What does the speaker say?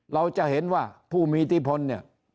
เราจะเห็นว่าผู้มีอิทธิพลเนี่ย